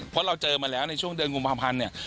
เพราะเราเจอมาแล้วในช่วงเดือนกุมภาพันธ์เนี่ย